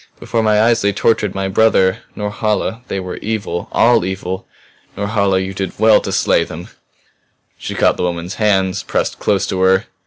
Before my eyes they tortured my brother. Norhala they were evil, all evil! Norhala you did well to slay them!" She caught the woman's hands, pressed close to her.